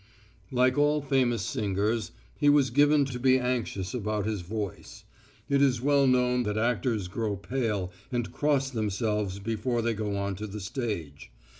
Like all famous singers, he was given to be anxious about his voice. It is well known that actors grow pale and cross themselves before they go on to the stage.